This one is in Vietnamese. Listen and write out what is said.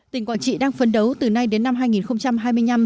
tỉnh quảng trị đang phấn đấu từ nay đến năm hai nghìn hai mươi năm